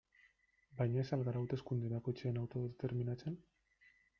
Baina ez al gara hauteskunde bakoitzean autodeterminatzen?